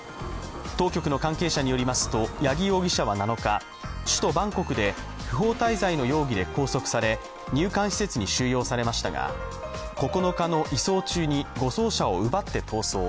当局の関係者によりますと八木容疑者は７日、首都バンコクで不法滞在の容疑を拘束され、入管施設に収容されましたが、９日の移送中に護送車を奪って逃走。